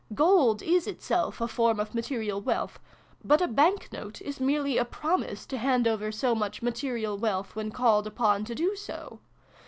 Gold is itself a form of material wealth ; but a bank note is merely a promise to hand over so much material wealth when called upon to do so.